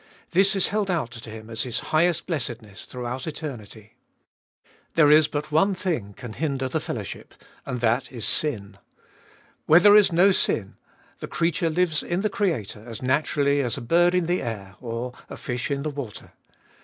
This is held out to him as his highest blessedness through eternity. There is but one thing can hinder the fellowship, and that is sin. Where there is no sin, the creature lives in the Creator as naturally as a bird in the air, or a fish in the water.